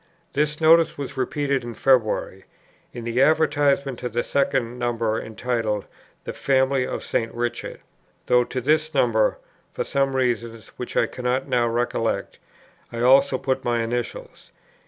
This notice was repeated in February, in the advertisement to the second number entitled "The Family of St. Richard," though to this number, for some reason which I cannot now recollect, I also put my initials.